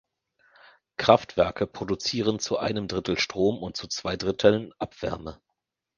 Kraftwerke produzieren zu einem Drittel Strom und zu zwei Dritteln Abwärme.